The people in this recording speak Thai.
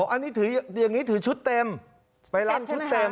อันนี้ถืออย่างนี้ถือชุดเต็มไปร้านชุดเต็ม